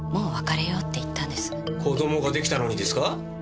子供が出来たのにですか？